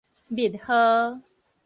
密號